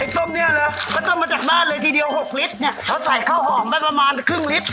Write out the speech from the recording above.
ต้มเนี่ยเหรอเขาต้มมาจากบ้านเลยทีเดียว๖ลิตรเนี่ยเขาใส่ข้าวหอมได้ประมาณครึ่งลิตร